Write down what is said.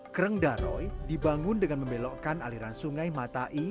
kreng daroy dibangun dengan membelokkan aliran sungai matai